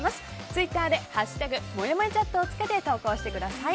ツイッターで「＃もやもやチャット」をつけて投稿してください。